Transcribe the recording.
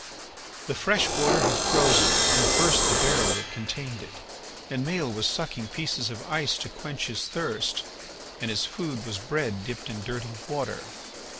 The fresh water had frozen and burst the barrel that contained it. And Maël was sucking pieces of ice to quench his thirst, and his food was bread dipped in dirty water.